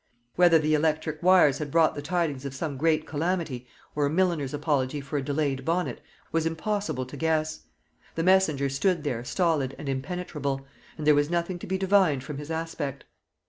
Whether the electric wires had brought the tidings of some great calamity, or a milliner's apology for a delayed bonnet, was impossible to guess. The messenger stood there stolid and impenetrable, and there was nothing to be divined from his aspect.